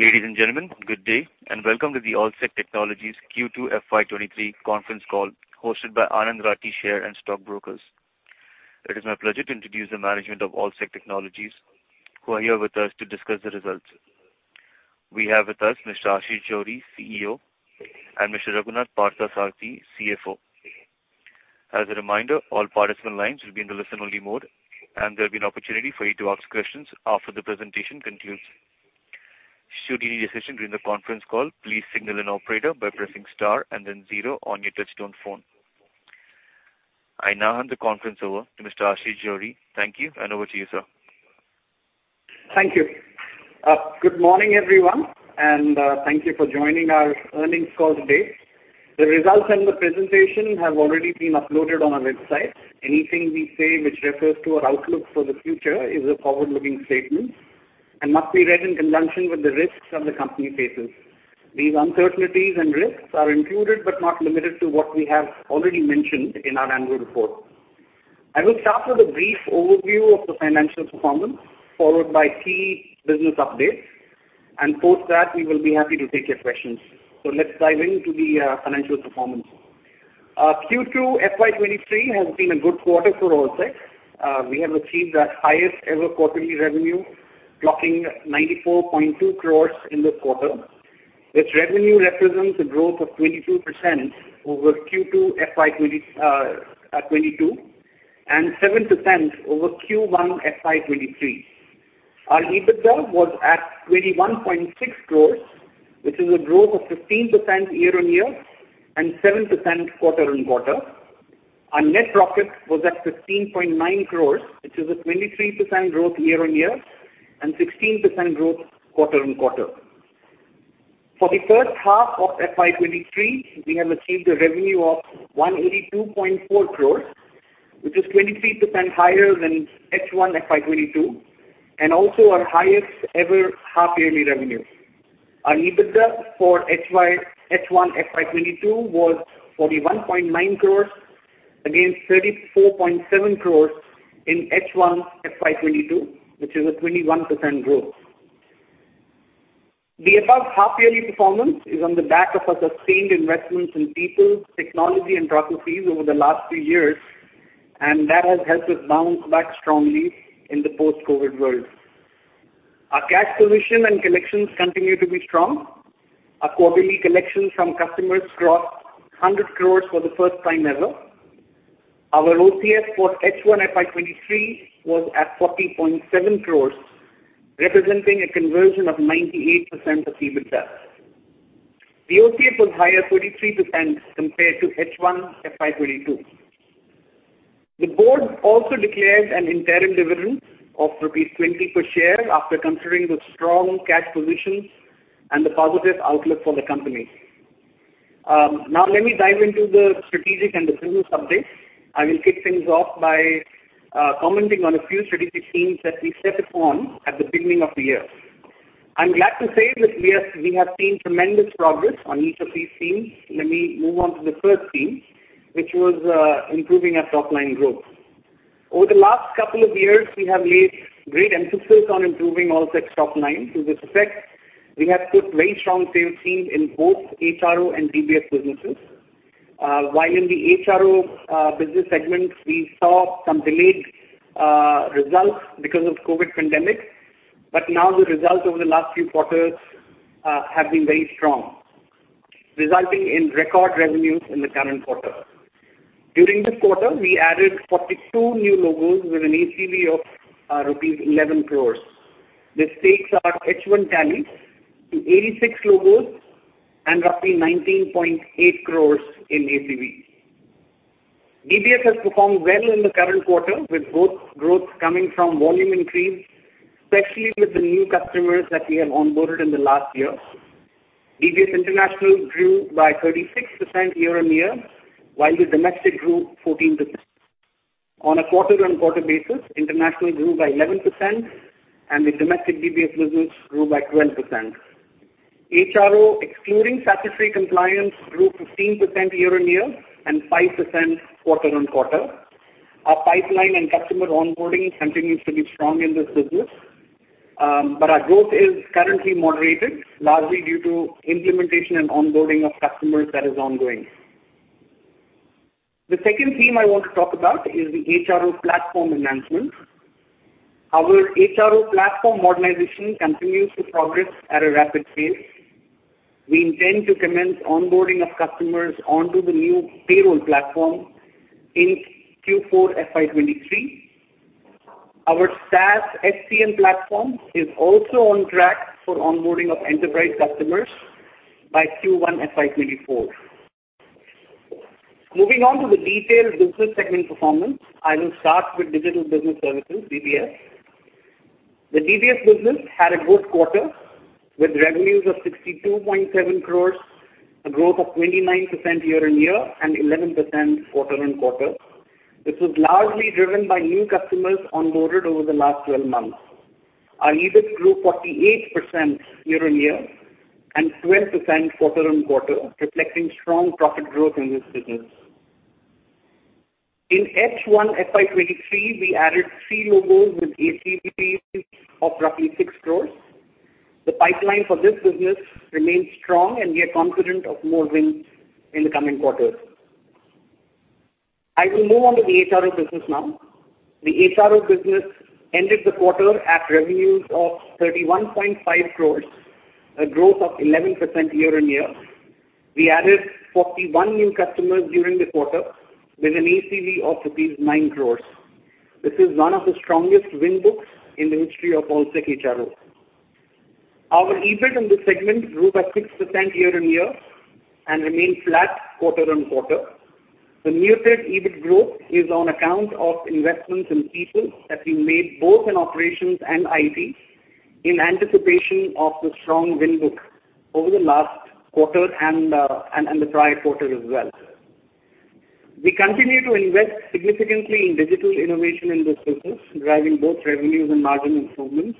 Ladies and gentlemen, good day, and welcome to the Allsec Technologies Q2 FY23 conference call hosted by Anand Rathi Share and Stock Brokers Limited. It is my pleasure to introduce the management of Allsec Technologies who are here with us to discuss the results. We have with us Mr. Ashish Johri, CEO, and Mr. Raghunath Parthasarathy, CFO. As a reminder, all participants lines will be in the listen-only mode, and there'll be an opportunity for you to ask questions after the presentation concludes. Should you need assistance during the conference call, please signal an operator by pressing star and then zero on your touchtone phone. I now hand the conference over to Mr. Ashish Johri. Thank you, and over to you, sir. Thank you. Good morning, everyone, and, thank you for joining our earnings call today. The results and the presentation have already been uploaded on our website. Anything we say which refers to our outlook for the future is a forward-looking statement and must be read in conjunction with the risks that the company faces. These uncertainties and risks are included, but not limited to, what we have already mentioned in our annual report. I will start with a brief overview of the financial performance, followed by key business updates, and post that, we will be happy to take your questions. Let's dive into the financial performance. Q2 FY 2023 has been a good quarter for Allsec. We have achieved our highest-ever quarterly revenue, clocking 94.2 crores in this quarter. This revenue represents a growth of 22% over Q2 FY 2022 and 7% over Q1 FY 2023. Our EBITDA was at 21.6 crores, which is a growth of 15% year-on-year and 7% quarter-on-quarter. Our net profit was at 15.9 crores, which is a 23% growth year-on-year and 16% growth quarter-on-quarter. For the first half of FY 2023, we have achieved a revenue of 182.4 crores, which is 23% higher than H1 FY 2022, and also our highest ever half-yearly revenue. Our EBITDA for H1 FY 2022 was 41.9 crores against 34.7 crores in H1 FY 2022, which is a 21% growth. The above half-yearly performance is on the back of our sustained investments in people, technology and processes over the last few years, and that has helped us bounce back strongly in the post-COVID world. Our cash position and collections continue to be strong. Our quarterly collections from customers crossed 100 crore for the first time ever. Our OCF for H1 FY 2023 was at 40.7 crore, representing a conversion of 98% of EBITDA. The OCF was higher 33% compared to H1 FY 2022. The board also declared an interim dividend of rupees 20 crore per share after considering the strong cash position and the positive outlook for the company. Now let me dive into the strategic and the business updates. I will kick things off by commenting on a few strategic themes that we set upon at the beginning of the year. I'm glad to say that we have seen tremendous progress on each of these themes. Let me move on to the first theme, which was improving our top-line growth. Over the last couple of years, we have laid great emphasis on improving Allsec's top line. To this effect, we have put very strong sales teams in both HRO and DBS businesses. While in the HRO business segment, we saw some delayed results because of COVID pandemic, but now the results over the last few quarters have been very strong, resulting in record revenues in the current quarter. During this quarter, we added 42 new logos with an ACV of rupees 11 crores. This takes our H1 tally to 86 logos and roughly 19.8 crores in ACV. DBS has performed well in the current quarter, with both growth coming from volume increase, especially with the new customers that we have onboarded in the last year. DBS International grew by 36% year-on-year, while the domestic grew 14%. On a quarter-on-quarter basis, international grew by 11% and the domestic DBS business grew by 12%. HRO, excluding statutory compliance, grew 15% year-on-year and 5% quarter-on-quarter. Our pipeline and customer onboarding continues to be strong in this business, but our growth is currently moderated, largely due to implementation and onboarding of customers that is ongoing. The second theme I want to talk about is the HRO platform enhancements. Our HRO platform modernization continues to progress at a rapid pace. We intend to commence onboarding of customers onto the new payroll platform in Q4 FY 2023. Our SaaS HCM platform is also on track for onboarding of enterprise customers by Q1 FY 2024. Moving on to the detailed business segment performance, I will start with Digital Business Services, DBS. The DBS business had a good quarter, with revenues of 62.7 crores, a growth of 29% year-on-year and 11% quarter-on-quarter. This was largely driven by new customers onboarded over the last 12 months. Our EBIT grew 48% year-on-year and 12% quarter-on-quarter, reflecting strong profit growth in this business. In H1 FY 2023, we added three logos with ACVs of roughly 6 crores. The pipeline for this business remains strong, and we are confident of more wins in the coming quarters. I will move on to the HRO business now. The HRO business ended the quarter at revenues of 31.5 crores, a growth of 11% year-on-year. We added 41 new customers during the quarter with an ACV of 59 crores. This is one of the strongest win books in the history of Allsec HRO. Our EBIT in this segment grew by 6% year-on-year and remained flat quarter-on-quarter. The muted EBIT growth is on account of investments in people that we made both in operations and IT in anticipation of the strong win book over the last quarter and the prior quarter as well. We continue to invest significantly in digital innovation in this business, driving both revenues and margin improvements.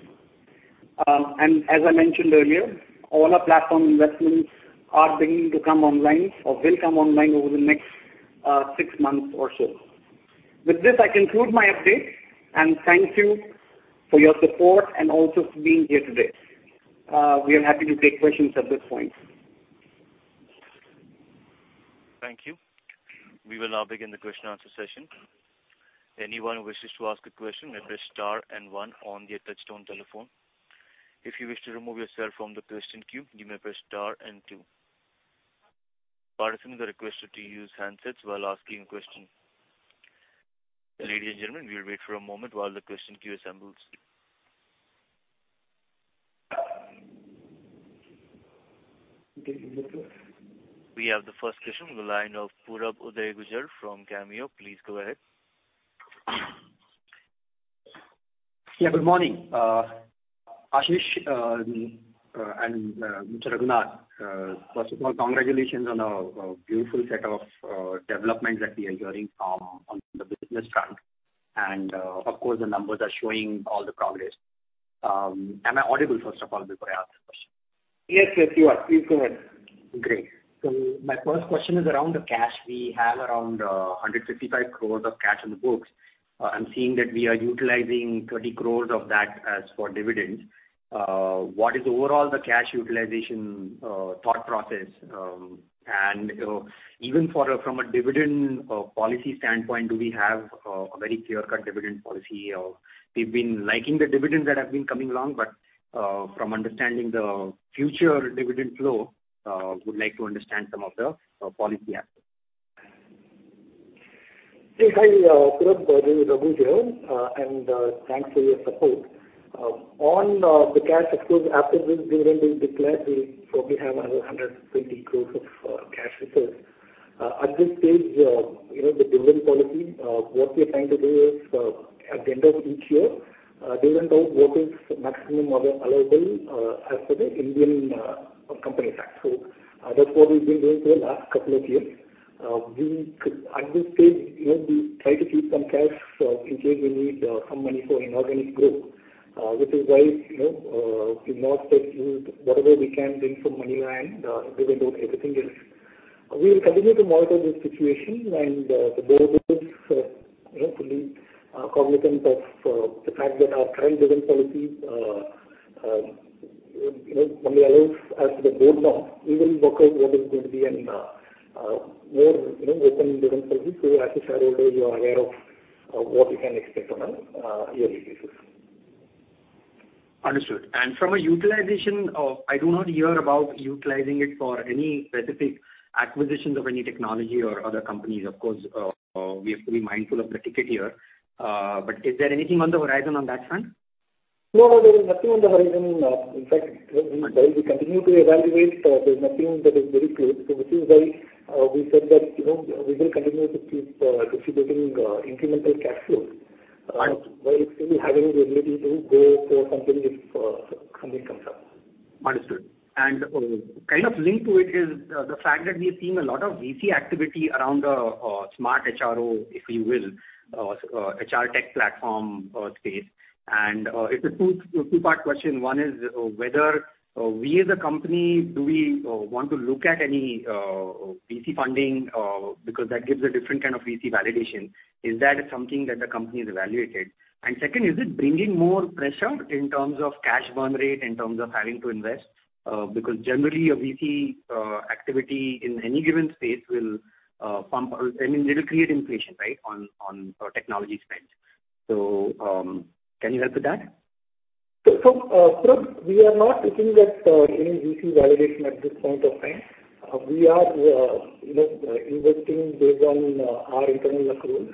As I mentioned earlier, all our platform investments are beginning to come online or will come online over the next six months or so. With this, I conclude my update, and thank you for your support and also for being here today. We are happy to take questions at this point. Thank you. We will now begin the question answer session. Anyone who wishes to ask a question may press star and one on their touchtone telephone. If you wish to remove yourself from the question queue, you may press star and two. Participants are requested to use handsets while asking a question. Ladies and gentlemen, we'll wait for a moment while the question queue assembles. We have the first question on the line of Purab Uday Gujar from Cameo. Please go ahead. Yeah. Good morning, Ashish, and Mr. Raghunath. First of all, congratulations on a beautiful set of developments that we are hearing on the business front. Of course, the numbers are showing all the progress. Am I audible first of all before I ask the question? Yes, yes, you are. Please go ahead. Great. My first question is around the cash. We have around 155 crores of cash on the books. I'm seeing that we are utilizing 30 crores of that as for dividends. What is overall the cash utilization thought process? And even from a dividend policy standpoint, do we have a very clear-cut dividend policy? Or we've been liking the dividends that have been coming along, but from understanding the future dividend flow, would like to understand some of the policy aspect. Yes. Hi, Uday. This is Raghu here. Thanks for your support. On the cash flows after this dividend is declared, we'll probably have another 120 crore of cash reserves. At this stage, you know, the dividend policy, what we are trying to do is, at the end of each year, figure out what is maximum allowable, as per the Indian Companies Act. That's what we've been doing for the last couple of years. At this stage, you know, we try to keep some cash, in case we need some money for inorganic growth, which is why, you know, we've not used whatever we can bring some money and dividend out everything else. We'll continue to monitor this situation and the board is, you know, fully cognizant of the fact that our current dividend policy only allows, as the board knows, we will work out what is going to be a more, you know, open dividend policy. As a shareholder, you are aware of what you can expect on a yearly basis. Understood. I do not hear about utilizing it for any specific acquisitions of any technology or other companies. Of course, we have to be mindful of the ticket here. Is there anything on the horizon on that front? No, there is nothing on the horizon. In fact, while we continue to evaluate, there's nothing that is very clear. This is why we said that, you know, we will continue to keep anticipating incremental cash flows. Right. While still having the ability to go for something if something comes up. Understood. Kind of linked to it is the fact that we're seeing a lot of VC activity around smart HRO, if you will, HR tech platform space. It's a two-part question. One is whether we as a company do we want to look at any VC funding because that gives a different kind of VC validation. Is that something that the company has evaluated? Second, is it bringing more pressure in terms of cash burn rate, in terms of having to invest? Because generally a VC activity in any given space will I mean, it'll create inflation, right, on technology spends. Can you help with that? Uday, we are not looking at any VC validation at this point of time. We are, you know, investing based on our internal accruals.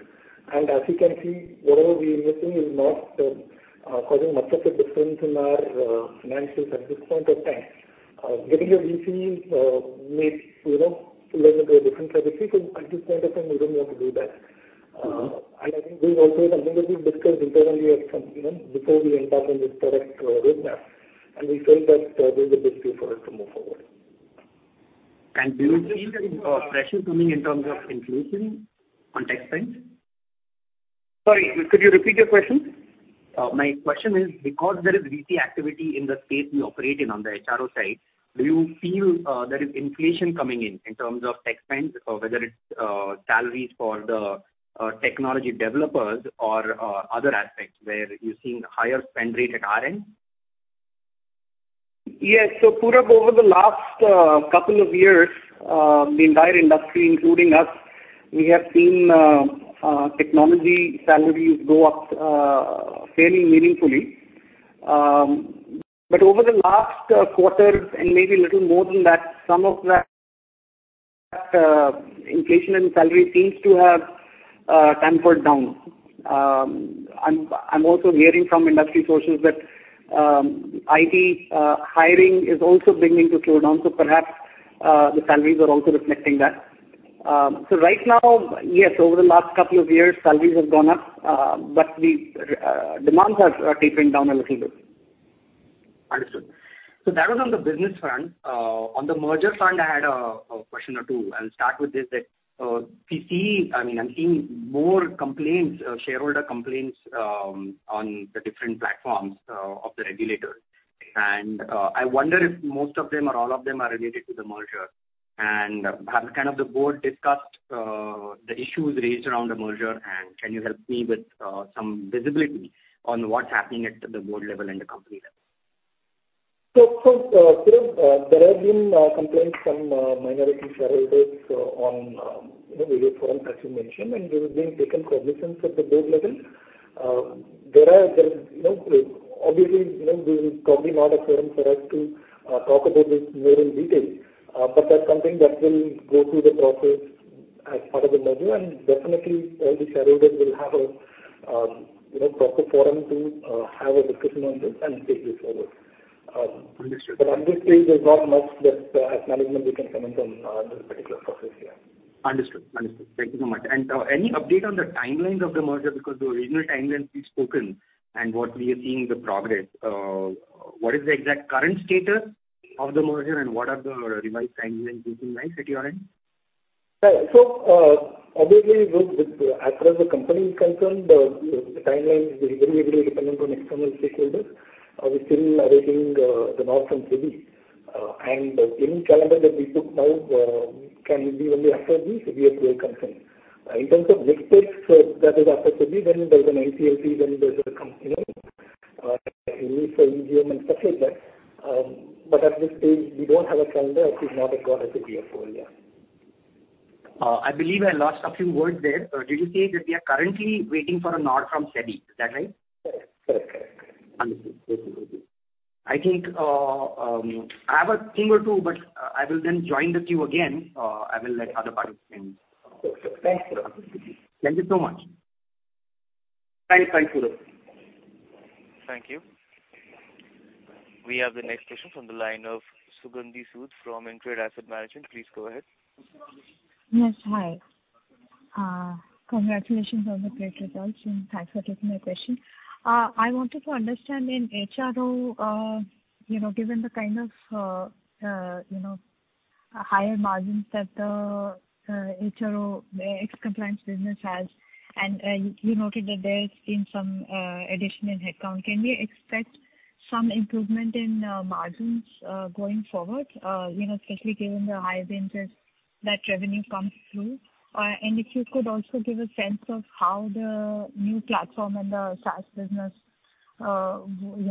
As you can see, whatever we're investing is not causing much of a difference in our financials at this point of time. Getting a VC may, you know, lead into a different strategy. At this point of time, we don't want to do that. I think this is also something that we've discussed internally at some, you know, before we embarked on this product roadmap, and we felt that this is a good way for us to move forward. Do you see any pressure coming in terms of inflation on tech spends? Sorry, could you repeat your question? My question is because there is VC activity in the space you operate in on the HRO side, do you feel there is inflation coming in in terms of tech spend or whether it's salaries for the technology developers or other aspects where you're seeing higher spend rate at RN? Yes. Purab, over the last couple of years, the entire industry including us, we have seen technology salaries go up fairly meaningfully. Over the last quarters and maybe a little more than that, some of that inflation in salary seems to have tempered down. I'm also hearing from industry sources that IT hiring is also beginning to slow down, so perhaps the salaries are also reflecting that. Right now, yes, over the last couple of years, salaries have gone up, but the demands are tapering down a little bit. Understood. That was on the business front. On the merger front, I had a question or two. I'll start with this that we see. I mean, I'm seeing more complaints, shareholder complaints, on the different platforms of the regulators. I wonder if most of them or all of them are related to the merger. Have kind of the board discussed the issues raised around the merger and can you help me with some visibility on what's happening at the board level and the company level? Purab, there have been complaints from minority shareholders on various forums as you mentioned, and we have taken cognizance at the board level. There's, you know, obviously, you know, this is probably not a forum for us to talk about this more in detail. That's something that will go through the process as part of the merger, and definitely all the shareholders will have a, you know, proper forum to have a discussion on this and take this forward. Understood. At this stage, there's not much that as management we can comment on this particular process, yeah. Understood. Thank you so much. Any update on the timelines of the merger? Because the original timelines we've spoken and what we are seeing the progress. What is the exact current status of the merger, and what are the revised timelines looking like at your end? Right. Obviously with, as far as the company is concerned, you know, the timeline is very dependent on external stakeholders. We're still awaiting the nod from SEBI. Any calendar that we talk of now can be only after the SEBI approval comes in. In terms of next steps, that is after SEBI, then there's an NCLT, then there's you know, release for EGM and stuff like that. At this stage we don't have a calendar, at least not as per the SEBI approval, yeah. I believe I lost a few words there. Did you say that we are currently waiting for a nod from SEBI? Is that right? Correct. Understood. Yes. Yes. I think, I have a thing or two, but, I will then join the queue again. I will let other parties in. Okay. Thanks, Purab. Thank you so much. Thanks. Bye, Purab. Thank you. We have the next question from the line of Sugandhi Sud from InCred Asset Management. Please go ahead. Yes. Hi. Congratulations on the great results, and thanks for taking my question. I wanted to understand in HRO, you know, given the kind of, you know, higher margins that HRO ex-compliance business has, and you noted that there's been some addition in headcount. Can we expect some improvement in margins going forward? You know, especially given the high vintage that revenue comes through. And if you could also give a sense of how the new platform and the SaaS business, you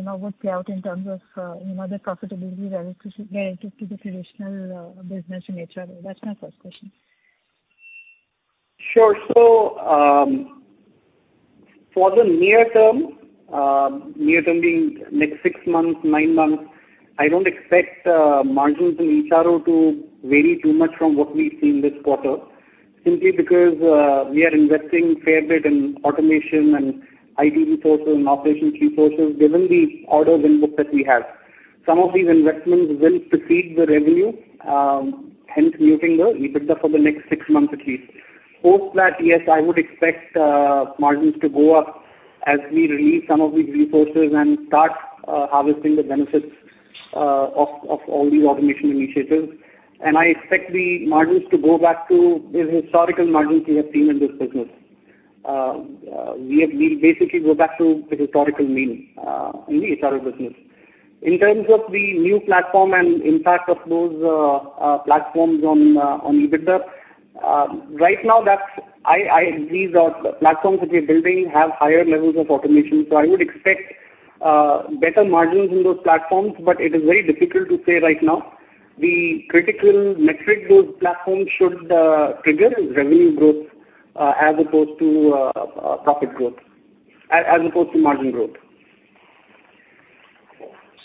know, would play out in terms of, you know, the profitability relative to the traditional business in HRO. That's my first question. Sure. For the near term, near term being next six months, nine months, I don't expect margins in HRO to vary too much from what we've seen this quarter. Simply because, we are investing a fair bit in automation and IT resources and operations resources, given the order book that we have. Some of these investments will precede the revenue, hence muting the EBITDA for the next six months at least. I would expect margins to go up as we release some of these resources and start harvesting the benefits of all the automation initiatives. I expect the margins to go back to the historical margins we have seen in this business. We'll basically go back to the historical mean in the HRO business. In terms of the new platform and impact of those platforms on EBITDA, right now. These are platforms which we are building have higher levels of automation. I would expect better margins in those platforms, but it is very difficult to say right now. The critical metric those platforms should trigger is revenue growth, as opposed to profit growth, as opposed to margin growth.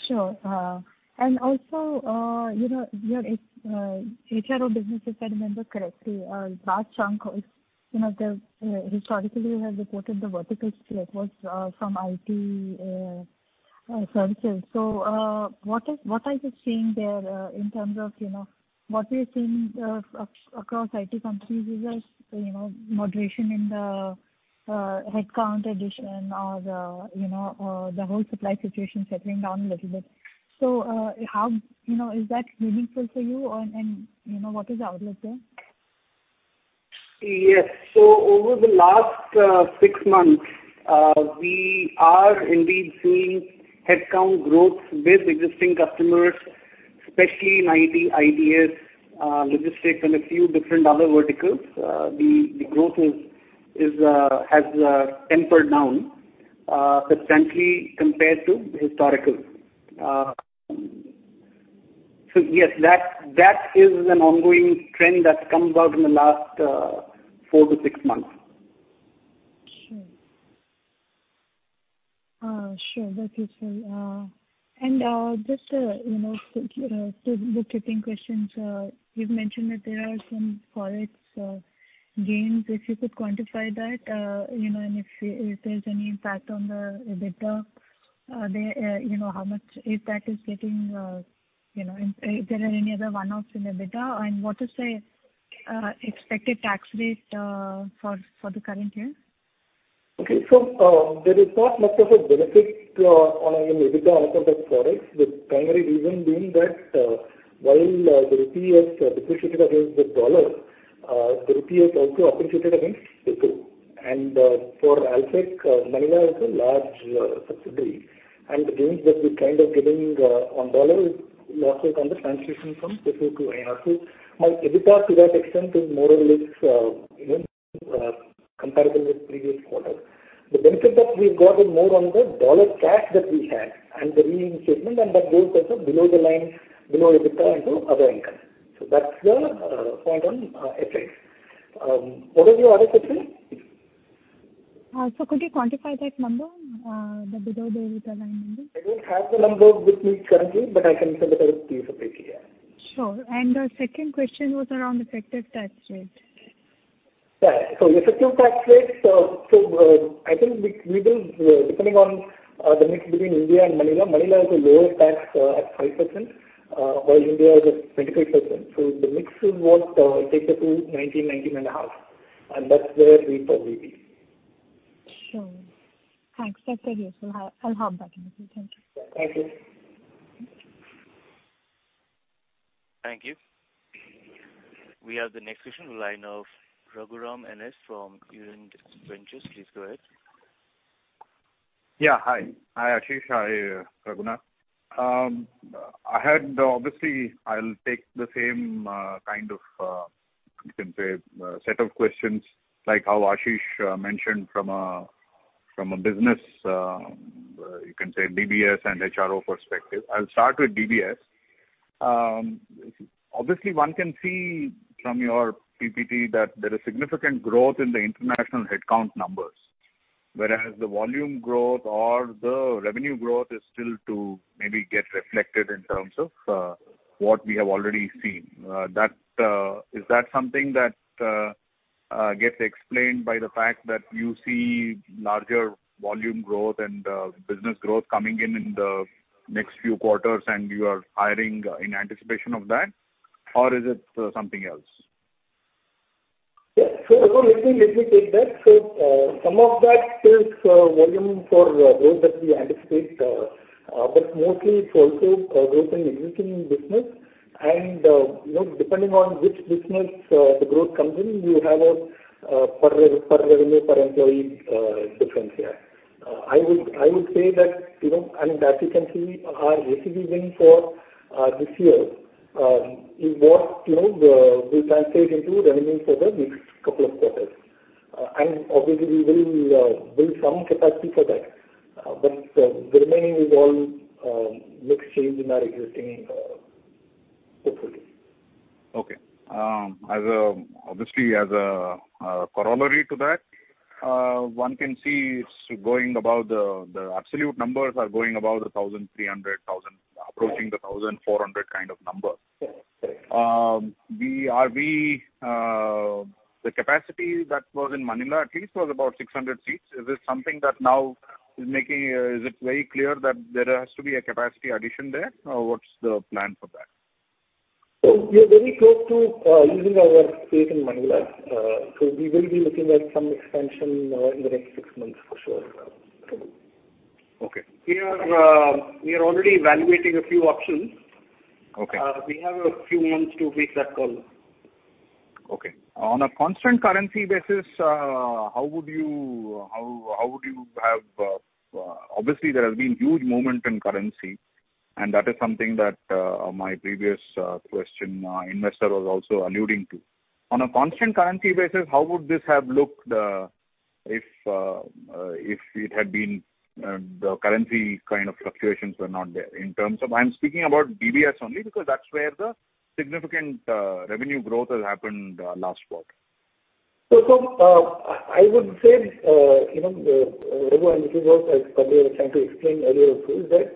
Sure. And also, you know, your HRO business, if I remember correctly, a large chunk of, you know, the historically you have reported the verticals it was from IT services. What are you seeing there in terms of, you know, what are you seeing across IT companies? Is there, you know, moderation in the headcount addition or the, you know, the whole supply situation settling down a little bit? How you know, is that meaningful for you or, and, you know, what is the outlook there? Yes. Over the last six months, we are indeed seeing headcount growth with existing customers, especially in IT, ITES, logistics and a few different other verticals. The growth is has tempered down substantially compared to historical. Yes, that is an ongoing trend that's come about in the last four to six months. Sure. That is fair. Just to the bookkeeping questions, you've mentioned that there are some forex gains. If you could quantify that, and if there's any impact on the EBITDA, how much impact is there if there are any other one-offs in EBITDA? What is the expected tax rate for the current year? Okay. There is not much of a benefit in EBITDA out of that forex, the primary reason being that while the rupee has depreciated against the dollar, the rupee has also appreciated against peso. For Allsec, Manila is a large subsidiary, and the gains that we're kind of getting on dollar is lost on the translation from peso to INR. My EBITDA to that extent is more or less, you know, comparable with previous quarters. The benefit that we've got is more on the dollar cash that we had and the revaluation, and that goes also below the line, below EBITDA into other income. That's the point on FX. What was your other question? Could you quantify that number, the below the EBITDA line number? I don't have the number with me currently, but I can certainly get it to you separately, yeah. Sure. The second question was around effective tax rate. Effective tax rate. I think we will, depending on the mix between India and Manila. Manila has a lower tax at 5% while India is at 25%. The mix will work, take it to 19%-19.5%, and that's where we probably be. Sure. Thanks. That's very useful. I'll hop back in the queue. Thank you. Thank you. Thank you. We have the next question in the line of Raghuram N S from EurIndia Ventures. Please go ahead. Hi, Ashish. Hi, Raghunath. I have obviously I'll take the same kind of, you can say a set of questions like how Ashish mentioned from a business, you can say DBS and HRO perspective. I'll start with DBS. Obviously one can see from your PPT that there is significant growth in the international headcount numbers, whereas the volume growth or the revenue growth is still to maybe get reflected in terms of what we have already seen. Is that something that gets explained by the fact that you see larger volume growth and business growth coming in in the next few quarters and you are hiring in anticipation of that? Or is it something else? Yeah. Raghu, let me take that. Some of that is volume for growth that we anticipate, but mostly it's also growth in existing business. You know, depending on which business the growth comes in, you have a per revenue per employee difference here. I would say that, you know, and as you can see our ACV win for this year is what, you know, will translate into revenue for the next couple of quarters. And obviously we will build some capacity for that. But the remaining is all mix change in our existing portfolio. Obviously, as a corollary to that, one can see it's going above. The absolute numbers are going above 1,300, approaching 1,400 kind of number. Sure. Yeah. The capacity that was in Manila, at least, was about 600 seats. Is this something that now is making it very clear that there has to be a capacity addition there? Or what's the plan for that? We are very close to using our space in Manila. We will be looking at some expansion in the next six months for sure. Okay. We are already evaluating a few options. Okay. We have a few months to make that call. Okay. On a constant currency basis, obviously there has been huge movement in currency, and that is something that my previous question investor was also alluding to. On a constant currency basis, how would this have looked, if it had been the currency kind of fluctuations were not there? In terms of I'm speaking about DBS only because that's where the significant revenue growth has happened last quarter. I would say, you know, the Raghu as Padmaja was trying to explain earlier also is that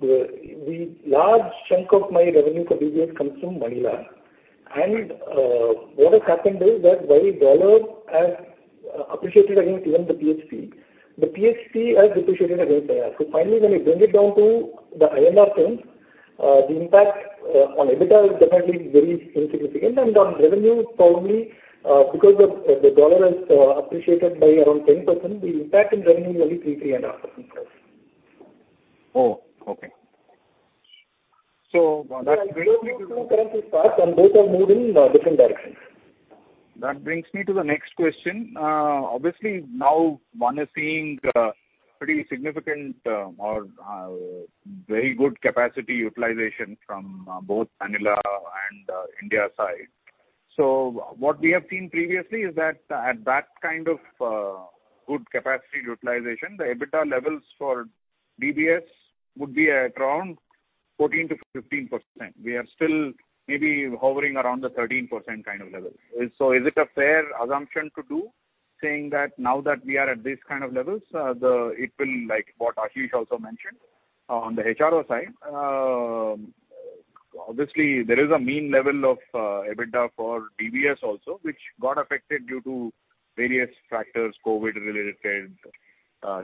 the large chunk of my revenue contribution comes from Manila. What has happened is that while the US dollar has appreciated against even the PHP, the PHP has depreciated against the INR. Finally, when you bring it down to the INR terms, the impact on EBITDA is definitely very insignificant, and on revenue probably, because the US dollar has appreciated by around 10%, the impact in revenue is only 3.5%. Oh, okay. That brings me to. Two currency parts and both have moved in different directions. That brings me to the next question. Obviously now one is seeing pretty significant or very good capacity utilization from both Manila and India side. What we have seen previously is that at that kind of good capacity utilization, the EBITDA levels for DBS would be at around 14%-15%. We are still maybe hovering around the 13% kind of level. Is it a fair assumption to do saying that now that we are at this kind of levels, it will, like what Ashish also mentioned on the HRO side. Obviously there is a mean level of EBITDA for DBS also, which got affected due to various factors, COVID-related,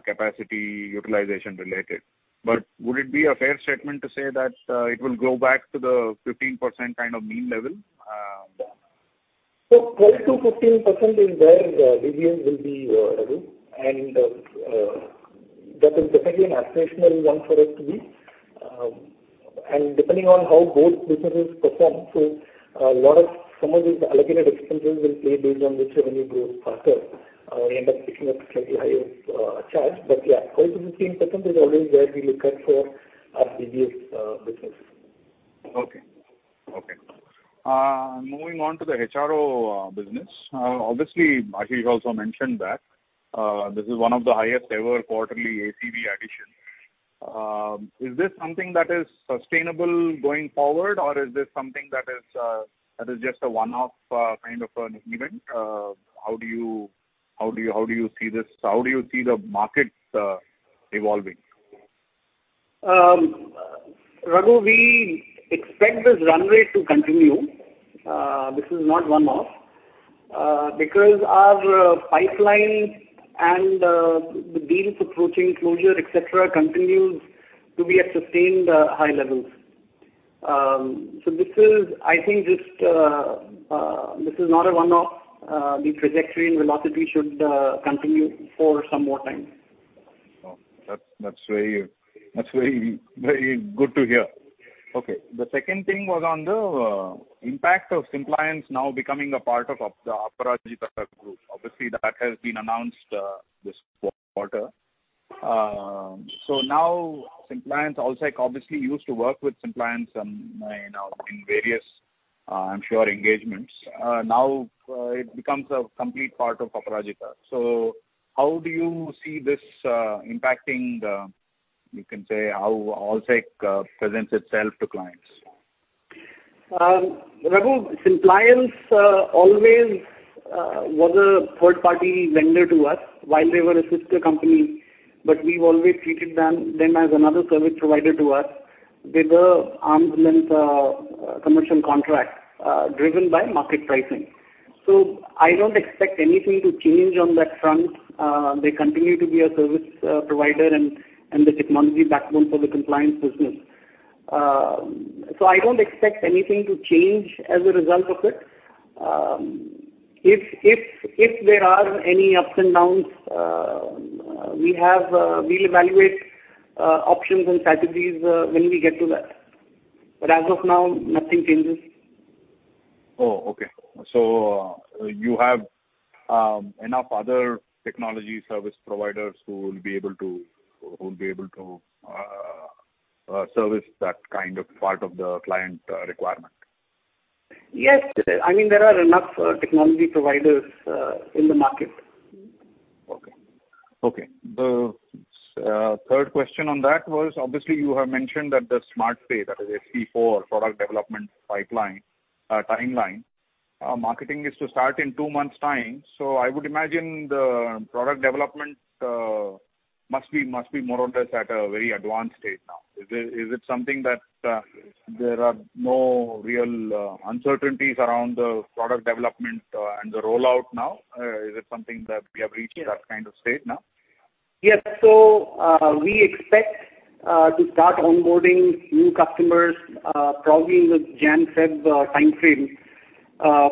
capacity utilization related. Would it be a fair statement to say that it will go back to the 15% kind of mean level, yeah? 12%-15% is where DBS will be, Raghu. That is definitely an aspirational one for us to be. Depending on how both businesses perform, a lot of some of these allocated expenses will play based on which revenue grows faster. We end up taking a slightly higher charge. Yeah, 12%-15% is always where we look at for our DBS business. Okay, moving on to the HRO business. Obviously Ashish also mentioned that this is one of the highest ever quarterly ACV additions. Is this something that is sustainable going forward, or is this something that is just a one-off kind of an event? How do you see this? How do you see the markets evolving? Raghu, we expect this run rate to continue. This is not one-off, because our pipeline and the deals approaching closure, et cetera, continues to be at sustained high levels. This is, I think, this is not a one-off. The trajectory and velocity should continue for some more time. Oh, that's very good to hear. Okay. The second thing was on the impact of Simpliance now becoming a part of the Aparajitha Group. Obviously, that has been announced this quarter. Now Simpliance, Allsec obviously used to work with Simpliance and, you know, in various, I'm sure engagements. Now it becomes a complete part of Aparajitha. How do you see this impacting the, you can say, how Allsec presents itself to clients? Raghu, Simpliance always was a third-party vendor to us while they were a sister company, but we've always treated them as another service provider to us with arm's length commercial contract driven by market pricing. I don't expect anything to change on that front. They continue to be a service provider and the technology backbone for the Simpliance business. I don't expect anything to change as a result of it. If there are any ups and downs, we'll evaluate options and strategies when we get to that. As of now, nothing changes. Oh, okay. You have enough other technology service providers who will be able to service that kind of part of the client requirement? Yes. I mean, there are enough technology providers in the market. Okay. The third question on that was obviously you have mentioned that the SmartPay, that is SP4 product development pipeline timeline. Marketing is to start in two months' time. I would imagine the product development must be more or less at a very advanced stage now. Is it something that there are no real uncertainties around the product development and the rollout now? Is it something that we have reached that kind of state now? Yes. We expect to start onboarding new customers, probably in the January-February timeframe,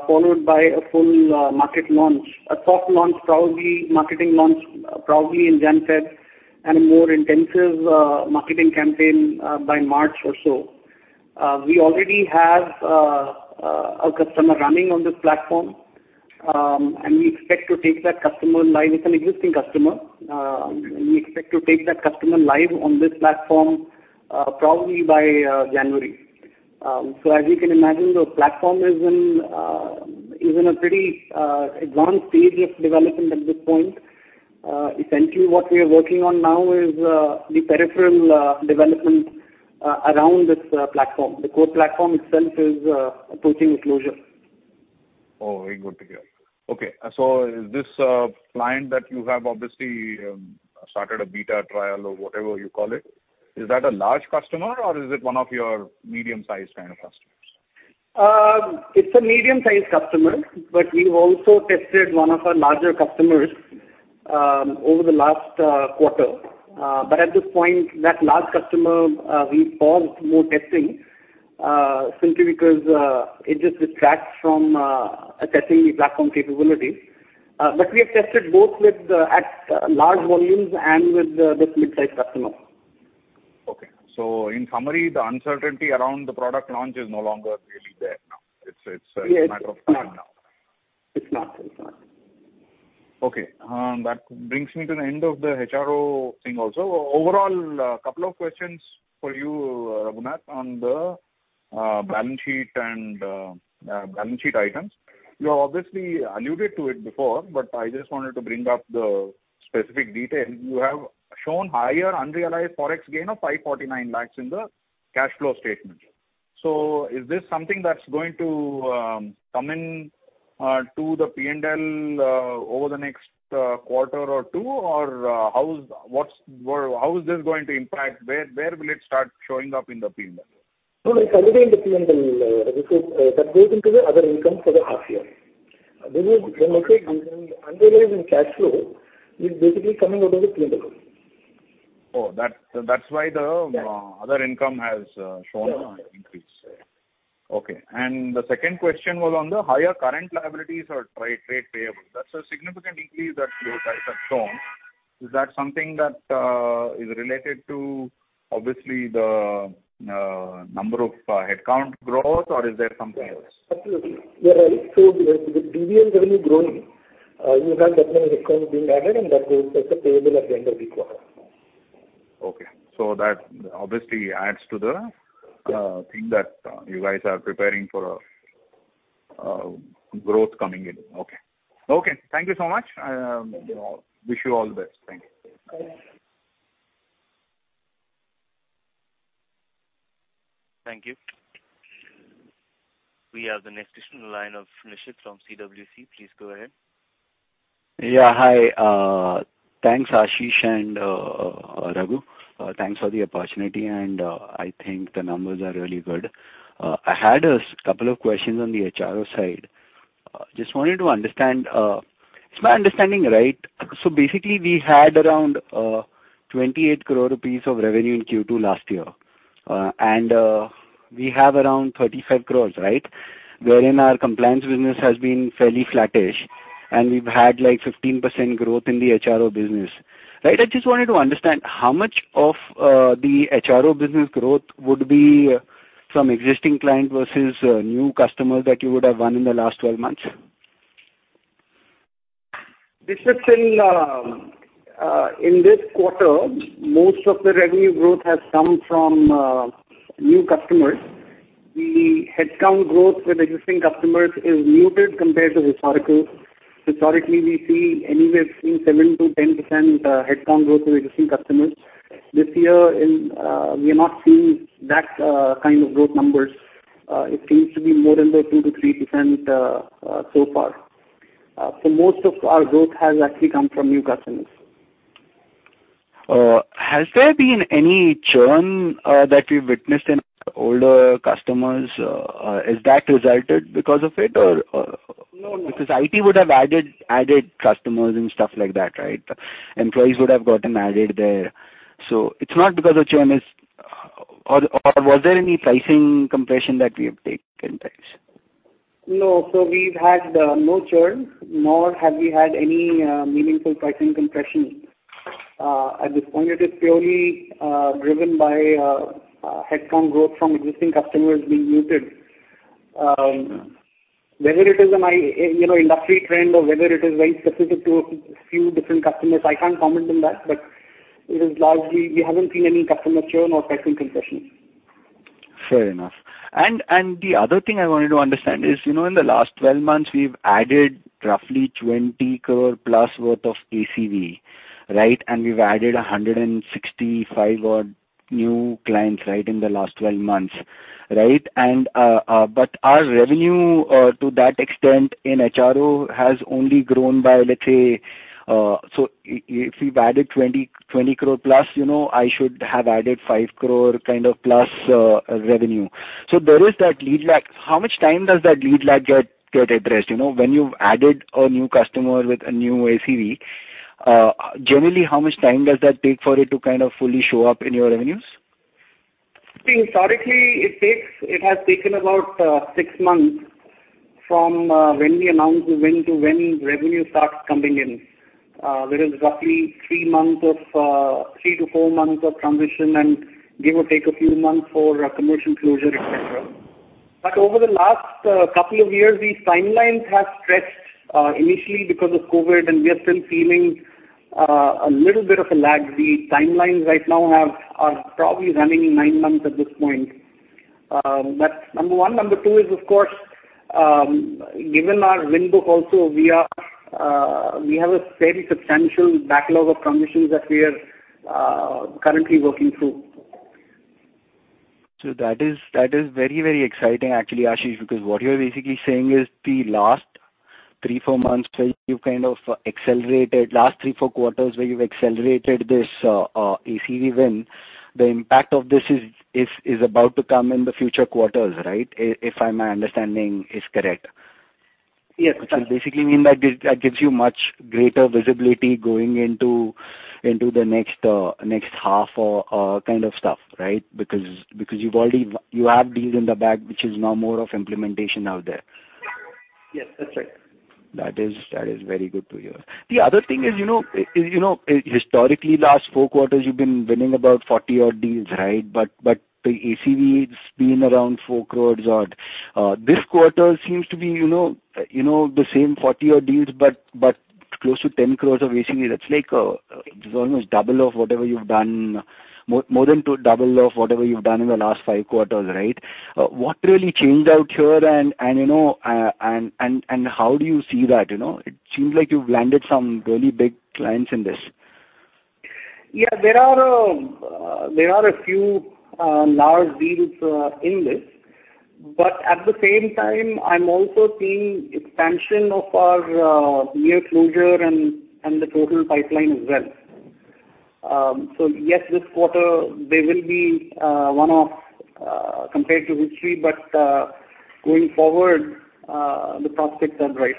followed by a full market launch. A soft launch, marketing launch in January-February and a more intensive marketing campaign by March or so. We already have a customer running on this platform. We expect to take that customer live. It's an existing customer. We expect to take that customer live on this platform, probably by January. As you can imagine, the platform is in a pretty advanced stage of development at this point. Essentially what we are working on now is the peripheral development around this platform. The core platform itself is approaching closure. Oh, very good to hear. Okay, so is this client that you have obviously started a beta trial or whatever you call it, is that a large customer or is it one of your medium-sized kind of customers? It's a medium-sized customer, but we've also tested one of our larger customers over the last quarter. At this point, that large customer, we paused more testing simply because it just detracts from assessing the platform capabilities. We have tested both with the at large volumes and with the mid-sized customers. Okay. In summary, the uncertainty around the product launch is no longer really there now. It's a matter of time now. It's not. Okay. That brings me to the end of the HRO thing also. Overall, a couple of questions for you, Raghunath, on the balance sheet and balance sheet items. You obviously alluded to it before, but I just wanted to bring up the specific details. You have shown higher unrealized Forex gain of 549 lakhs in the cash flow statement. Is this something that's going to come in to the P&L over the next quarter or two, or how is this going to impact? Where will it start showing up in the P&L? No, it's already in the P&L. That goes into the other income for the half year. This is when I say unrealized in cash flow, it's basically coming out of the P&L. Oh, that's why the other income has shown an increase. Yeah. Okay. The second question was on the higher current liabilities or trade payable. That's a significant increase that you guys have shown. Is that something that is related to obviously the number of headcount growth or is there something else? Absolutely. You're right. The BPM revenue growing, you have that many accounts being added and that creates such a payable at the end of the quarter. Okay. That obviously adds to the thing that you guys are preparing for, growth coming in. Okay. Okay. Thank you so much. Wish you all the best. Thank you. Okay. Thank you. We have the next question in the line of Nishith from CWC. Please go ahead. Yeah, hi. Thanks, Ashish and, Raghu. Thanks for the opportunity, and, I think the numbers are really good. I had a couple of questions on the HRO side. Just wanted to understand, is my understanding right? Basically, we had around 28 crore rupees of revenue in Q2 last year, and we have around 35 crore, right? Wherein our compliance business has been fairly flattish, and we've had, like, 15% growth in the HRO business. Right. I just wanted to understand how much of the HRO business growth would be from existing client versus, new customers that you would have won in the last 12 months. Nishith, in this quarter, most of the revenue growth has come from new customers. The headcount growth with existing customers is muted compared to historical. Historically, we see anywhere between 7%-10% headcount growth with existing customers. This year, we are not seeing that kind of growth numbers. It seems to be more in the 2%-3%, so far. Most of our growth has actually come from new customers. Has there been any churn that we've witnessed in older customers? Is that resulted because of it or? No. Because IT would have added customers and stuff like that, right? Employees would have gotten added there. It's not because the churn is. Or was there any pricing compression that has taken place? No. We've had no churn, nor have we had any meaningful pricing compression. At this point, it is purely driven by headcount growth from existing customers being muted. Whether it is, you know, an industry trend or whether it is very specific to a few different customers, I can't comment on that, but it is largely we haven't seen any customer churn or pricing compression. Fair enough. The other thing I wanted to understand is, you know, in the last 12 months, we've added roughly 20 crore plus worth of ACV, right? We've added 165 odd new clients, right, in the last 12 months. Right? Our revenue to that extent in HRO has only grown by, let's say, so if we've added 20 crore plus, you know, I should have added 5 crore kind of plus revenue. There is that lead lag. How much time does that lead lag get addressed? You know, when you've added a new customer with a new ACV, generally, how much time does that take for it to kind of fully show up in your revenues? Historically, it has taken about six months from when we announce the win to when revenue starts coming in. There is roughly three to four months of transition and give or take a few months for a commission closure, et cetera. Over the last couple of years, these timelines have stretched initially because of COVID, and we are still feeling a little bit of a lag. The timelines right now are probably running nine months at this point. That's number one. Number two is, of course, given our win book also we have a very substantial backlog of commissions that we are currently working through. That is very exciting actually, Ashish, because what you're basically saying is the last three, four months where you kind of accelerated. Last three, four quarters where you've accelerated this ACV win. The impact of this is about to come in the future quarters, right? If my understanding is correct. Yes. Basically mean that gives you much greater visibility going into the next half or kind of stuff, right? Because you have deals in the bag, which is now more of implementation out there. Yes, that's right. That is very good to hear. The other thing is, you know, historically last four quarters you've been winning about 40-odd deals, right? But the ACV, it's been around 4 crore-odd. This quarter seems to be, you know, the same 40-odd deals, but close to 10 crore of ACV. That's like, it's almost double of whatever you've done. More than double of whatever you've done in the last five quarters, right? What really changed out here and how do you see that, you know? It seems like you've landed some really big clients in this. Yeah. There are a few large deals in this. At the same time, I'm also seeing expansion of our near closure and the total pipeline as well. Yes, this quarter there will be one-off compared to history. Going forward, the prospects are bright.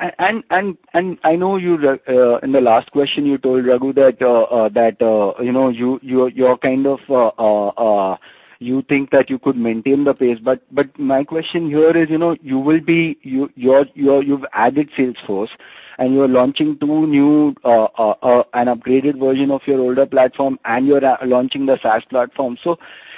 I know in the last question you told Raghu that, you know, you think that you could maintain the pace. My question here is, you know, you will be. You've added sales force and you are launching two new an upgraded version of your older platform and you are launching the SaaS platform.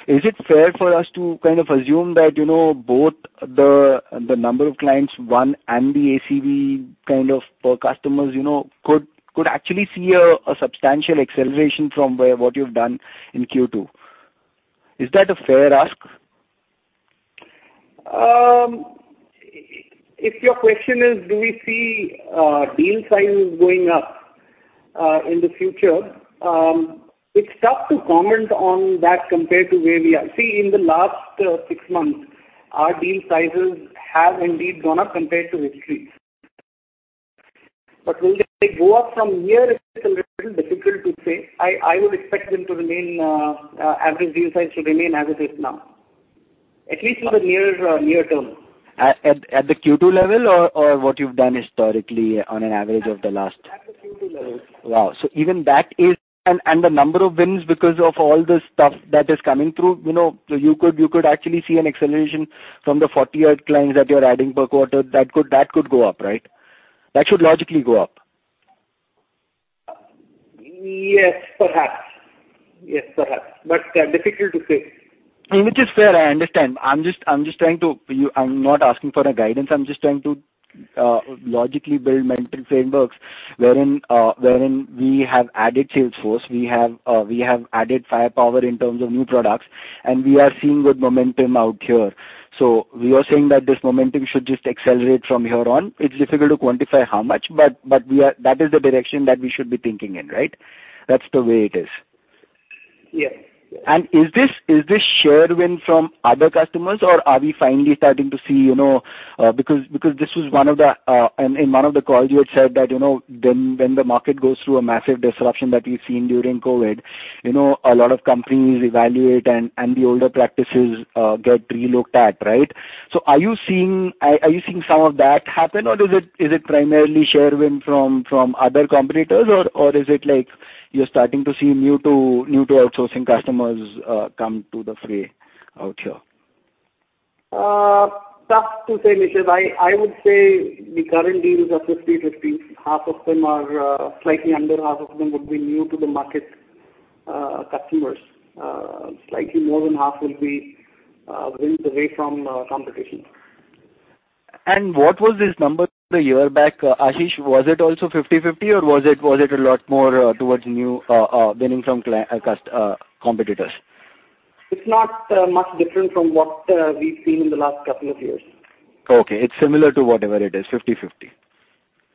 Is it fair for us to kind of assume that, you know, both the number of clients won and the ACV kind of per customers, you know, could actually see a substantial acceleration from what you've done in Q2? Is that a fair ask? If your question is do we see deal sizes going up in the future, it's tough to comment on that compared to where we are. See, in the last six months, our deal sizes have indeed gone up compared to history. Will they go up from here? It's a little difficult to say. I would expect them to remain average deal size to remain as it is now. At least in the near term. At the Q2 level or what you've done historically on an average of the last At the Q2 level. Wow. Even that is. The number of wins because of all the stuff that is coming through. You know, you could actually see an acceleration from the 40-odd clients that you're adding per quarter. That could go up, right? That should logically go up. Yes, perhaps. Difficult to say. Which is fair, I understand. I'm just trying to. I'm not asking for guidance, I'm just trying to logically build mental frameworks wherein we have added sales force. We have added firepower in terms of new products, and we are seeing good momentum out here. We are saying that this momentum should just accelerate from here on. It's difficult to quantify how much, but that is the direction that we should be thinking in, right? That's the way it is. Yes. Is this share win from other customers or are we finally starting to see, you know, because this was one of the. In one of the calls you had said that, you know, when the market goes through a massive disruption that we've seen during COVID, you know, a lot of companies evaluate and the older practices get relooked at, right? Are you seeing some of that happen or is it primarily share win from other competitors or is it like you're starting to see new to outsourcing customers come to the fray out here? Tough to say, Nishith. I would say the current deals are 50/50. Half of them are slightly under half of them would be new-to-the-market customers. Slightly more than half will be wins away from competition. What was this number a year back, Ashish? Was it also 50/50 or was it a lot more towards new winning from competitors? It's not much different from what we've seen in the last couple of years. Okay. It's similar to whatever it is, 50/50.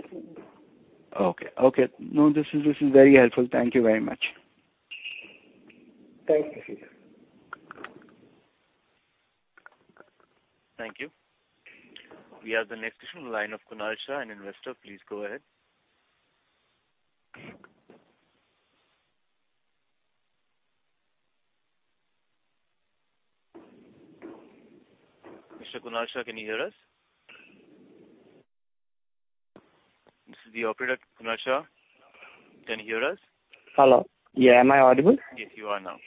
Mm-hmm. Okay. No, this is very helpful. Thank you very much. Thanks, Nishith. Thank you. We have the next question in line of Kunal Shah, an investor. Please go ahead. Mr. Kunal Shah, can you hear us? This is the operator. Kunal Shah, can you hear us? Hello. Yeah, am I audible? Yes, you are now.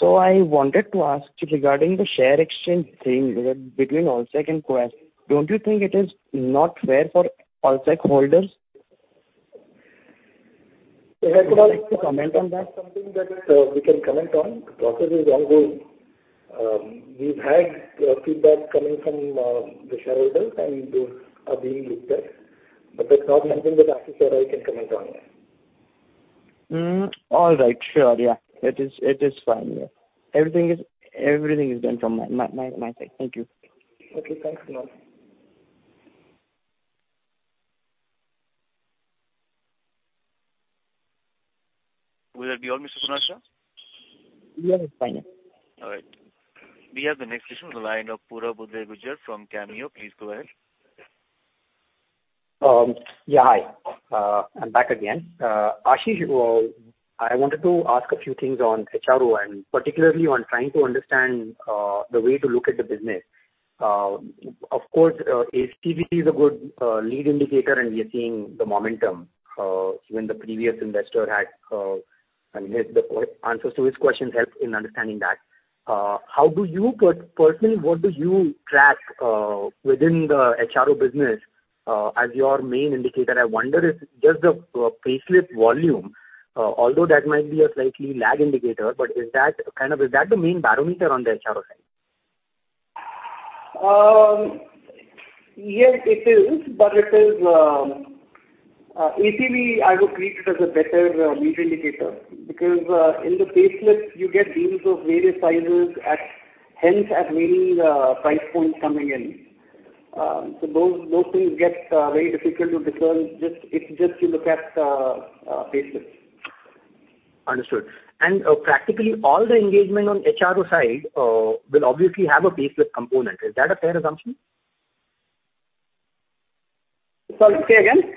I wanted to ask regarding the share exchange thing between Allsec and Quess. Don't you think it is not fair for Allsec holders? It's not- Would you like to comment on that? Something that we can comment on. The process is ongoing. We've had feedback coming from the shareholders and those are being looked at. That's not something that Ashish or I can comment on. All right. Sure. Yeah. It is fine. Yeah. Everything is done from my side. Thank you. Okay. Thanks, Kunal. Will that be all, Mr. Kunal Shah? Yes, fine. All right. We have the next question on the line of Purab Uday Gujar from Cameo. Please go ahead. Yeah, hi. I'm back again. Ashish, I wanted to ask a few things on HRO, and particularly on trying to understand the way to look at the business. Of course, ACV is a good lead indicator, and we are seeing the momentum when the previous investor had, I mean, the answers to his questions helped in understanding that. How do you personally, what do you track within the HRO business as your main indicator? I wonder if just the payslip volume, although that might be a slightly lagging indicator, but is that kind of the main barometer on the HRO side? Yes, it is. It is ACV. I would treat it as a better lead indicator because in the payslips you get deals of various sizes at hence at many price points coming in. Those things get very difficult to discern just if you look at payslips. Understood. Practically all the engagement on HRO side will obviously have a payslip component. Is that a fair assumption? Sorry, say again.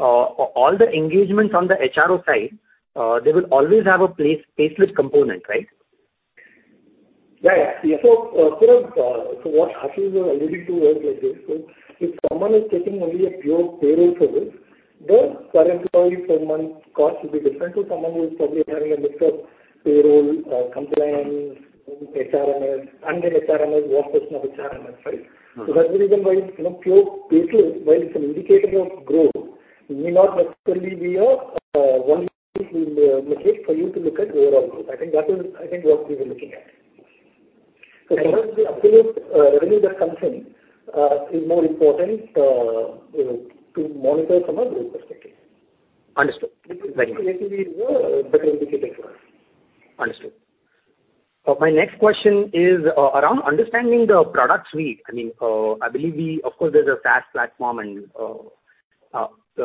All the engagements on the HRO side, they will always have a payslip component, right? Yeah. Purab, so what Ashish was alluding to was like this. If someone is taking only a pure payroll service, the per employee per month cost will be different to someone who is probably having a mix of payroll, compliance, HRMS and an HRMS versus no HRMS, right? Mm-hmm. That's the reason why, you know, pure payslips, while it's an indicator of growth, it may not necessarily be a one single metric for you to look at overall growth. I think that is what we were looking at. The absolute revenue that comes in is more important, you know, to monitor from a group perspective. Understood. Thank you. Which is why ACV is a better indicator for us. Understood. My next question is around understanding the product suite. I mean, I believe we have enterprise customers. Of course, there's a SaaS platform. I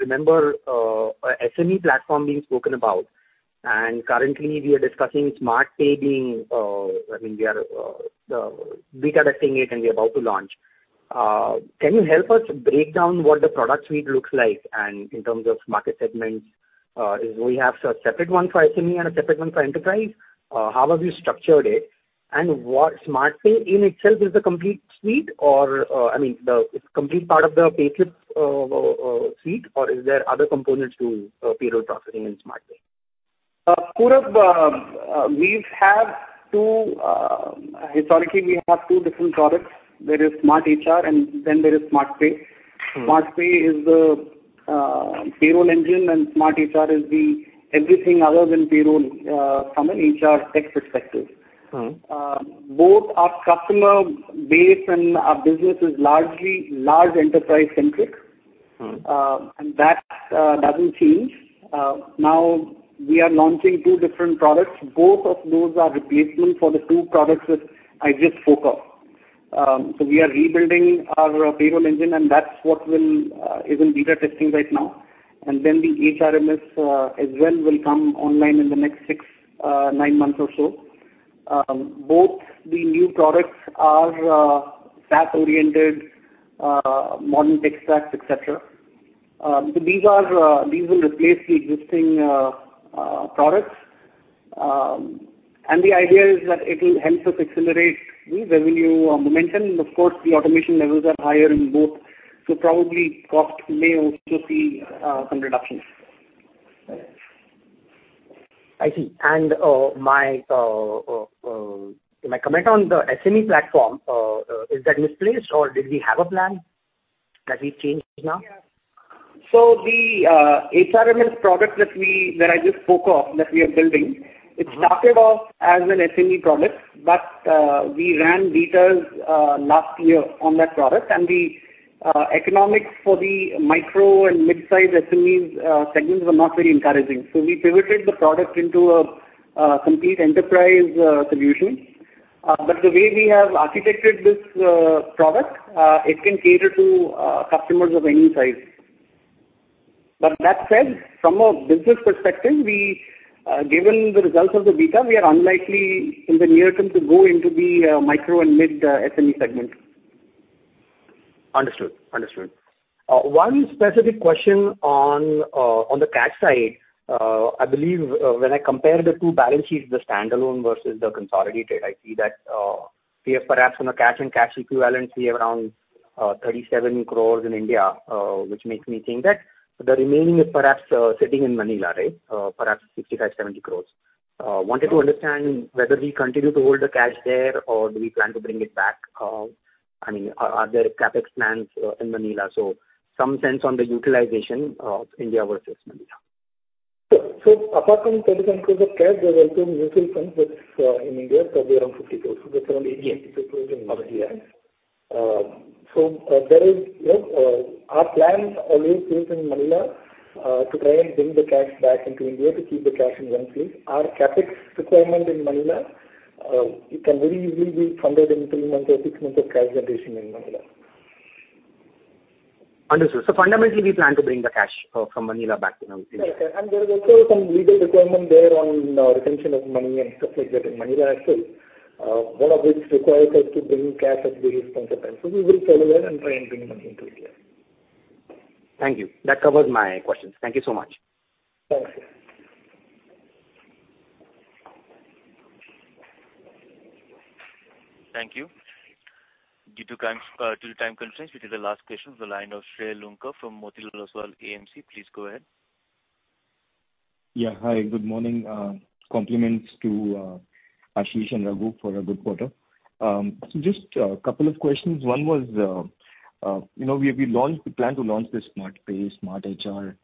remember a SME platform being spoken about, and currently we are discussing SmartPay, I mean, we are beta testing it and we're about to launch. Can you help us break down what the product suite looks like and in terms of market segments? Is we have a separate one for SME and a separate one for enterprise? How have you structured it? What SmartPay in itself is a complete suite or, I mean, the complete part of the payslip suite or is there other components to payroll processing in SmartPay? Purab, historically, we have two different products. There is SmartHR and then there is SmartPay. Mm-hmm. SmartPay is the payroll engine and SmartHR is the everything other than payroll from an HR tech perspective. Mm-hmm. Both our customer base and our business is largely large enterprise centric. Mm-hmm. That doesn't change. Now we are launching two different products. Both of those are replacement for the two products that I just spoke of. We are rebuilding our payroll engine and that's what is in beta testing right now. The HRMS as well will come online in the next six to nine months or so. Both the new products are SaaS oriented, modern tech stacks, et cetera. These will replace the existing products. The idea is that it'll help us accelerate the revenue momentum. Of course, the automation levels are higher in both, so probably cost may also see some reductions. I see. My comment on the SME platform is that misplaced or did we have a plan that we changed now? Yeah. The HRMS product that I just spoke of, that we are building. Mm-hmm. It started off as an SME product, but we ran betas last year on that product. The economics for the micro and mid-size SMEs segments were not very encouraging. We pivoted the product into a complete enterprise solution. But the way we have architected this product, it can cater to customers of any size. That said, from a business perspective, given the results of the beta, we are unlikely in the near term to go into the micro and mid SME segment. One specific question on the cash side. I believe, when I compare the two balance sheets, the standalone versus the consolidated, I see that we have around 37 crore in cash and cash equivalents in India, which makes me think that the remaining is perhaps sitting in Manila, right? Perhaps 65 crore-70 crore. Wanted to understand whether we continue to hold the cash there or do we plan to bring it back? I mean, are there CapEx plans in Manila? Some sense on the utilization of India versus Manila. Sure. Apart from INR 37 crore of cash, there's also mutual funds that's in India, probably around INR 50 crore. That's around INR 80 crore in total. There is, you know, our plan always is in Manila to try and bring the cash back into India to keep the cash in one place. Our CapEx requirement in Manila, it can very easily be funded in three months or six months of cash generation in Manila. Understood. Fundamentally, we plan to bring the cash from Manila back to Mumbai. Right. There is also some legal requirement there on retention of money and stuff like that in Manila itself, one of which requires us to bring cash at various points of time. We will follow that and try and bring money into India. Thank you. That covers my questions. Thank you so much. Thank you. Thank you. Due to time constraints, this is the last question. The line of Shrey Loonker from Motilal Oswal AMC. Please go ahead. Yeah. Hi, good morning. Compliments to Ashish and Raghu for a good quarter. So just a couple of questions. One was, you know, we plan to launch the SmartPay, SmartHR.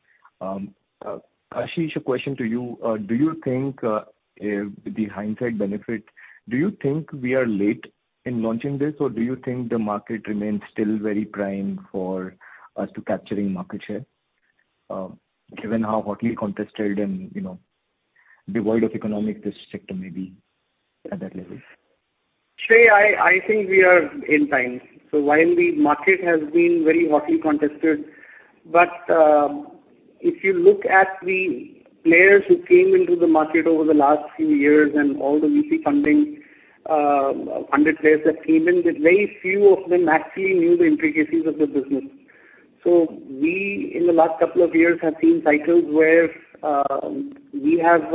Ashish, a question to you. Do you think, with the hindsight benefit, do you think we are late in launching this, or do you think the market remains still very prime for us to capturing market share, given how hotly contested and, you know, devoid of economic this sector may be at that level? Shrey, I think we are in time. While the market has been very hotly contested, but if you look at the players who came into the market over the last few years and all the VC funding funded players that came in, very few of them actually knew the intricacies of the business. We, in the last couple of years, have seen cycles where we have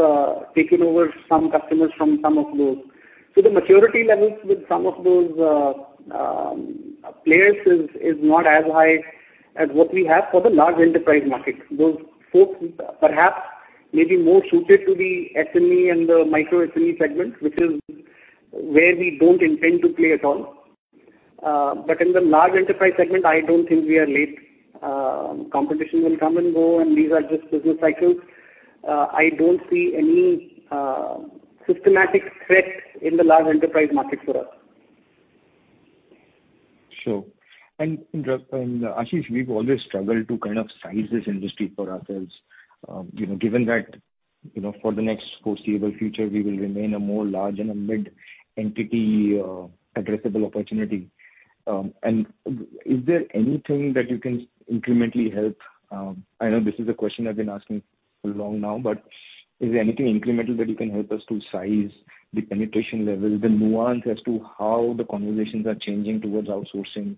taken over some customers from some of those. The maturity levels with some of those players is not as high as what we have for the large enterprise market. Those folks perhaps may be more suited to the SME and the micro SME segments, which is where we don't intend to play at all. But in the large enterprise segment, I don't think we are late. Competition will come and go, and these are just business cycles. I don't see any systematic threat in the large enterprise market for us. Sure. Ashish, we've always struggled to kind of size this industry for ourselves. You know, given that, you know, for the next foreseeable future, we will remain a more large and a mid entity addressable opportunity. Is there anything that you can incrementally help? I know this is a question I've been asking for long now, but is there anything incremental that you can help us to size the penetration level, the nuance as to how the conversations are changing towards outsourcing,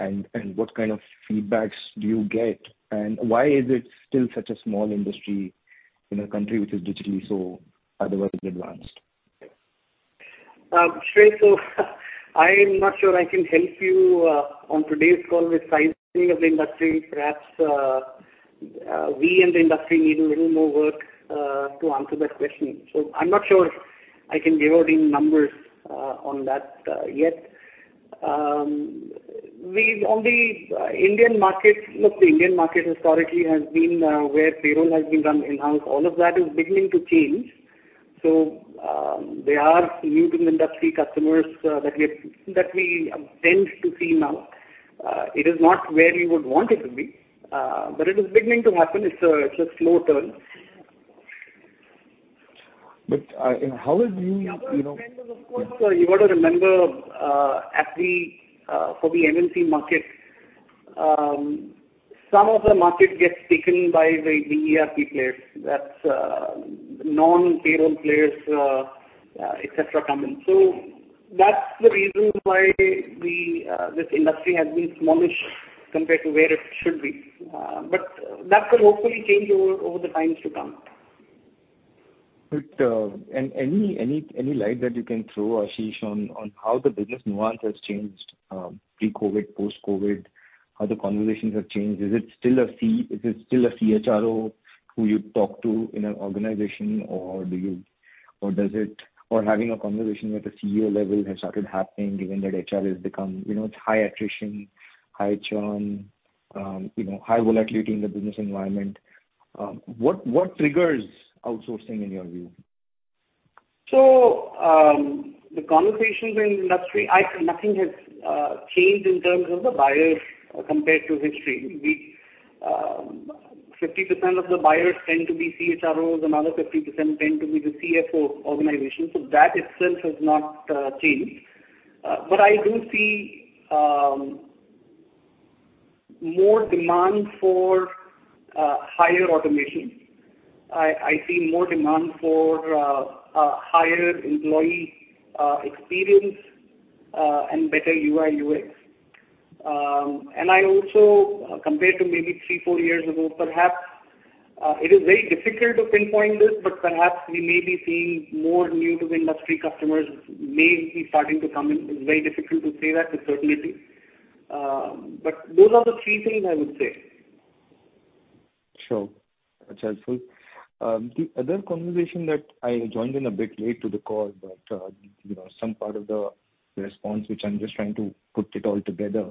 and what kind of feedbacks do you get? Why is it still such a small industry in a country which is digitally so otherwise advanced? Shrey, I'm not sure I can help you on today's call with sizing of the industry. Perhaps, we in the industry need a little more work to answer that question. I'm not sure I can give out any numbers on that yet. On the Indian market, look, the Indian market historically has been where payroll has been done in-house. All of that is beginning to change. There are new-to-the-industry customers that we tend to see now. It is not where we would want it to be, but it is beginning to happen. It's a slow turn. You know, how would we, you know? You've got to remember, for the MNC market, some of the market gets taken by the ERP players. That's non-payroll players, et cetera, come in. That's the reason why this industry has been smallish compared to where it should be. That will hopefully change over the times to come. Any light that you can throw, Ashish, on how the business nuance has changed, pre-COVID, post-COVID? How the conversations have changed? Is it still a CHRO who you talk to in an organization, or do you or does it or having a conversation with the CEO level has started happening given that HR has become, you know, it's high attrition, high churn, you know, high volatility in the business environment. What triggers outsourcing in your view? The conversations in industry. Nothing has changed in terms of the buyers compared to history. 50% of the buyers tend to be CHROs, another 50% tend to be the CFO organization. That itself has not changed. But I do see more demand for higher automation. I see more demand for higher employee experience and better UI, UX. And I also, compared to maybe three, four years ago, perhaps, it is very difficult to pinpoint this, but perhaps we may be seeing more new to the industry customers may be starting to come in. It is very difficult to say that with certainty. But those are the three things I would say. Sure. That's helpful. The other conversation that I joined in a bit late to the call, but you know, some part of the response which I'm just trying to put it all together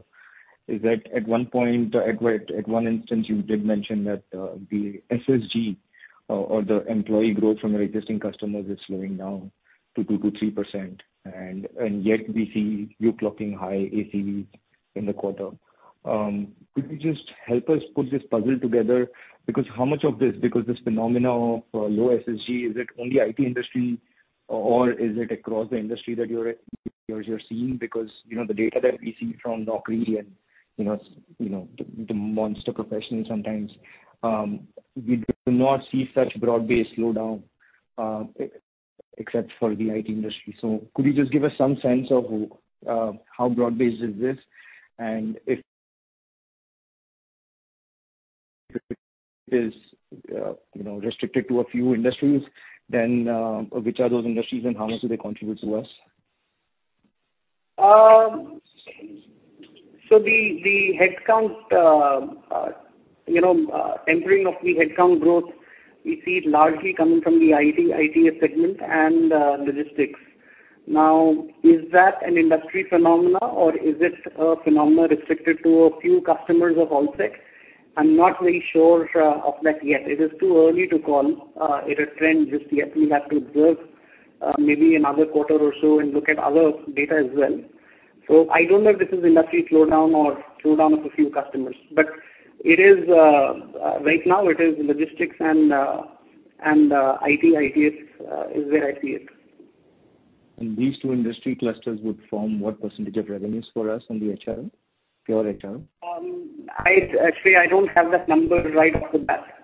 is that at one point, at one instance you did mention that the SSG or the employee growth from your existing customers is slowing down to 2%-3%, and yet we see you clocking high ACV in the quarter. Could you just help us put this puzzle together? Because how much of this phenomenon of low SSG, is it only IT industry or is it across the industry that you're seeing? Because, you know, the data that we see from Naukri and, you know, the Monster Professional sometimes, we do not see such broad-based slowdown, except for the IT industry. Could you just give us some sense of how broad-based is this? If it is, you know, restricted to a few industries, then which are those industries and how much do they contribute to us? The headcount, you know, tempering of the headcount growth, we see it largely coming from the IT segment and logistics. Is that an industry phenomenon or is it a phenomenon restricted to a few customers of Allsec? I'm not very sure of that yet. It is too early to call it a trend just yet. We have to observe maybe another quarter or so and look at other data as well. I don't know if this is industry slowdown or slowdown of a few customers. It is right now logistics and IT, ITES, is where I see it. These two industry clusters would form what percentage of revenues for us on the HRO, pure HRO? Actually, I don't have that number right off the bat.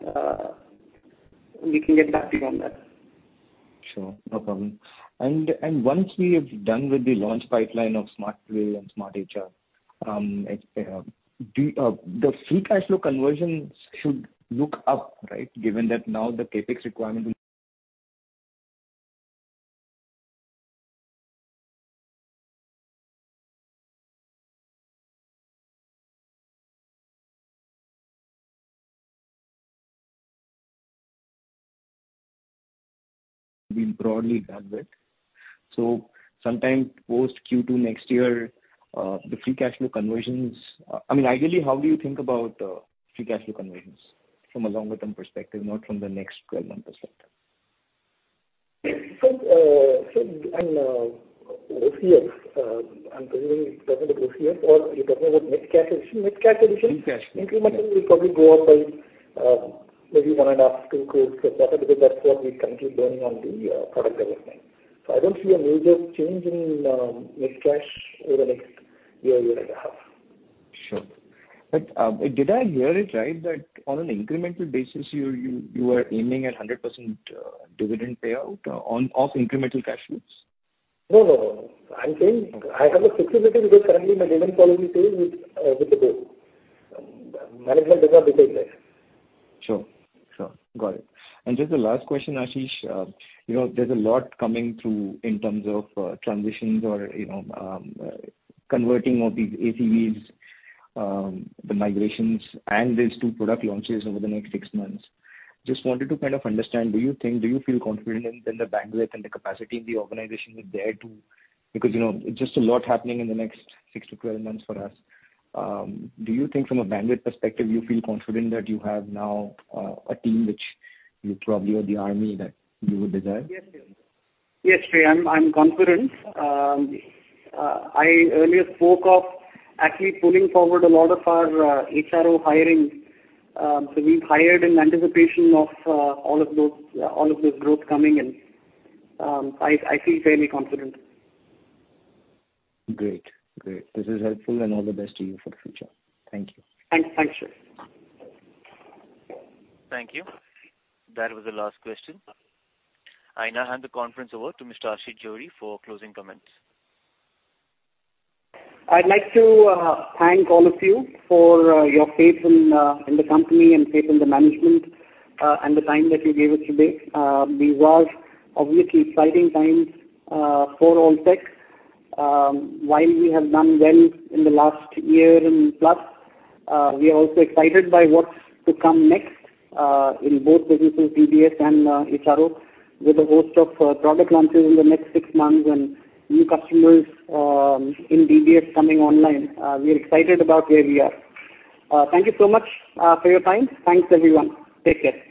We can get back to you on that. Sure. No problem. Once we are done with the launch pipeline of SmartPay and SmartHR, the free cash flow conversion should look up, right, given that now the CapEx requirement will be broadly bandwidth. Sometime post Q2 next year, the free cash flow conversions. I mean, ideally, how do you think about free cash flow conversions from a longer-term perspective, not from the next 12-month perspective? OCF, I'm presuming you're talking about OCF or you're talking about net cash addition. Free cash. Yeah. Incrementally will probably go up by maybe INR 1.5 crore-INR 2 crore because that's what we're currently burning on the product development. I don't see a major change in net cash over the next year and a half. Sure. Did I hear it right that on an incremental basis, you are aiming at 100% dividend payout of incremental cash flows? No, no. I'm saying I have a flexibility because currently my dividend policy says with the board. Management does not dictate that. Sure. Got it. Just the last question, Ashish. You know, there's a lot coming through in terms of transitions or, you know, converting of these ACVs, the migrations and these two product launches over the next six months. Just wanted to kind of understand, do you think, do you feel confident in the bandwidth and the capacity in the organization is there? Because, you know, just a lot happening in the next six to 12 months for us. Do you think from a bandwidth perspective, you feel confident that you have now a team which you probably or the army that you would desire? Yes. Yes, Shrey, I'm confident. I earlier spoke of actually pulling forward a lot of our HRO hiring. We've hired in anticipation of all of this growth coming in. I feel fairly confident. Great. This is helpful and all the best to you for the future. Thank you. Thanks, Shrey. Thank you. That was the last question. I now hand the conference over to Mr. Ashish Johri for closing comments. I'd like to thank all of you for your faith in the company and faith in the management and the time that you gave us today. These are obviously exciting times for Allsec. While we have done well in the last year and plus, we are also excited by what's to come next in both businesses, DBS and HRO, with a host of product launches in the next six months and new customers in DBS coming online. We are excited about where we are. Thank you so much for your time. Thanks, everyone. Take care.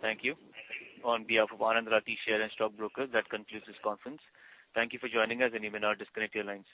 Thank you. On behalf of Anand Rathi Share and Stock Brokers, that concludes this conference. Thank you for joining us, and you may now disconnect your lines.